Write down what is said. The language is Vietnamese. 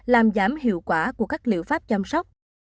làm giảm hiệu quả của các liệu pháp chăm sóc